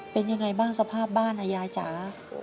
เป็นยังไงบ้างสภาพบ้านอ่ะยายจ๋า